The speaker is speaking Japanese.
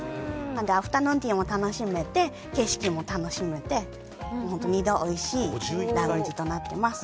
アフタヌーンティーも楽しめて景色も楽しめて本当に２度おいしいラウンジとなっています。